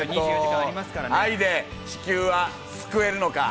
愛で地球は救えるのか？